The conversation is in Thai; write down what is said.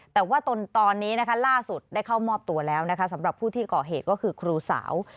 แต่ว่าตอนนี้นะคะล่าสุดได้เข้ามอบตัวแล้วนะคะสำหรับผู้ที่ก่อเหตุก็คือครูสาว